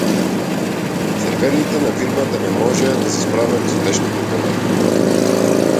Серверите на фирмата не можеа да се справат со тешките товари.